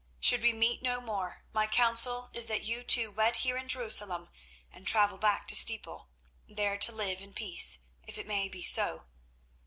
Should we meet no more, my counsel is that you two wed here in Jerusalem and travel back to Steeple, there to live in peace, if it may be so.